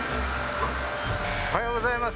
おはようございます。